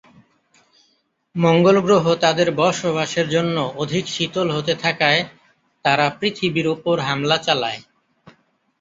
মঙ্গল গ্রহ তাদের বসবাসের জন্য অধিক শীতল হতে থাকায় তারা পৃথিবীর ওপর হামলা চালায়।